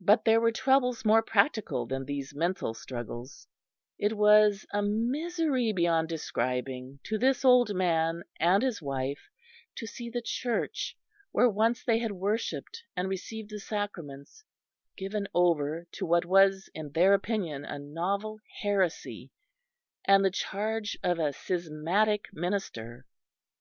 But there were troubles more practical than these mental struggles; it was a misery, beyond describing, to this old man and his wife to see the church, where once they had worshipped and received the sacraments, given over to what was, in their opinion, a novel heresy, and the charge of a schismatic minister.